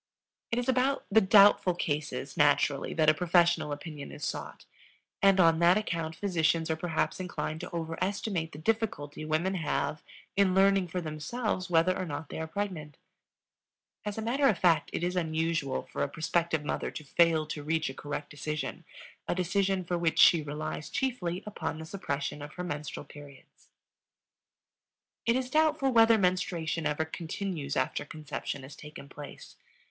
It is about the doubtful cases, naturally, that a professional opinion is sought, and on that account physicians are perhaps inclined to overestimate the difficulty women have in learning for themselves whether or not they are pregnant. As a matter of fact, it is unusual for a prospective mother to fail to reach a correct decision a decision for which she relies chiefly upon the suppression of her menstrual periods. It is doubtful whether menstruation ever continues after conception has taken place.